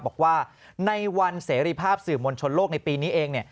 บอกว่าในวันเสรีภาพสื่อมวลชนโลกในปีนี้เอง